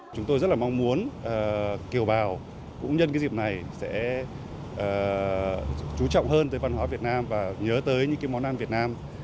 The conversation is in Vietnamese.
chúng tôi rất là mong muốn kiều bào cũng nhân cái dịp này sẽ chú trọng hơn tới văn hóa việt nam và nhớ tới những món ăn việt nam